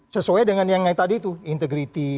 sesuai dengan yang tadi itu integrity